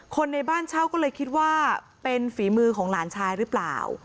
คนในบ้านเช่าก็เลยคิดว่าเป็นฝีมือของหลานชายหรือเปล่า